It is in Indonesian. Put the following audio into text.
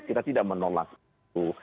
kita tidak menolak itu